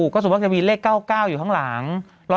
ก็ส่วนมากจะมีเลข๙๙อยู่ข้างหลัง